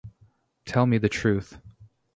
Tell me the truth.